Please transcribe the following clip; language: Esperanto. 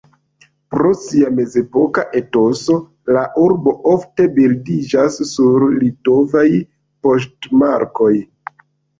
Pro sia mezepoka etoso, la urbo ofte bildiĝas sur litovaj poŝtmarkoj.